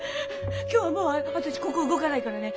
今日はもう私ここ動かないからね。